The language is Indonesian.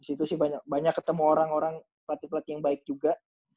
di situ sih banyak ketemu orang orang pelatih pelatih yang baik juga